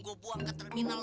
keren juga iman